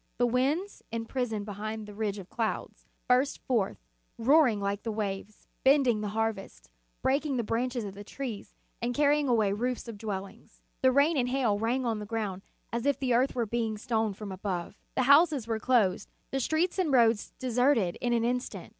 The winds, imprisoned be hind that ridge of clouds, burst forth, roaring like the waves, bending the harvests, break ing the branches of the trees, and carrying away roofs of dwellings. The rain and hail rang on the ground as if the earth were being stoned from above. The houses were closed, the streets and roads deserted in an instant.